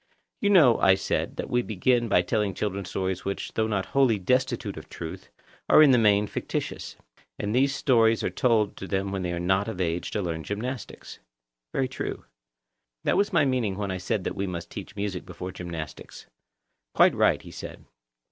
You know, I said, that we begin by telling children stories which, though not wholly destitute of truth, are in the main fictitious; and these stories are told them when they are not of an age to learn gymnastics. Very true. That was my meaning when I said that we must teach music before gymnastics. Quite right, he said.